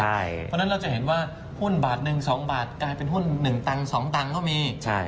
เพราะฉะนั้นเราจะเห็นว่าหุ้นบาทหนึ่ง๒บาทกลายเป็นหุ้น๑ตังค์๒ตังค์ก็มี